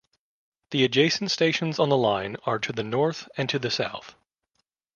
The adjacent stations on the line are to the north and to the south.